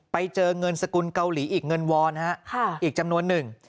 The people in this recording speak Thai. ไปเจอเงินสกุลเกาหลีอีกเงินวอนฮะอีกจำนวนหนึ่ง